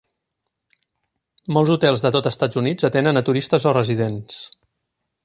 Molts hotels de tot Estats Units atenen a turistes o residents.